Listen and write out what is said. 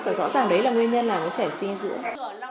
và rõ ràng đấy là nguyên nhân làm cho trẻ sinh dưỡng